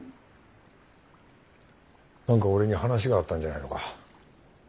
何か俺に話があったんじゃないのか。